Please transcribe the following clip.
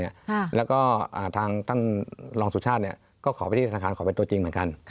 ไม่ว่าจะคำขออะไรต่างแล้วก็ท่านรองสุชาติก็ขอไปที่ฐานภรขอไปตัวจริงเหมือนกัน